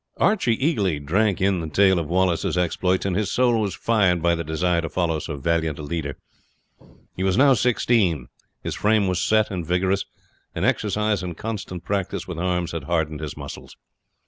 Archie eagerly drank in the tale of Wallace's exploits, and his soul was fired by the desire to follow so valiant a leader. He was now sixteen, his frame was set and vigorous, and exercise and constant practice with arms had hardened his muscles.